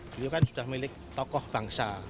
beliau kan sudah milik tokoh bangsa